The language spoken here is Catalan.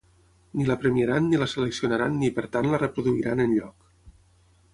Ni la premiaran ni la seleccionaran ni, per tant, la reproduiran enlloc.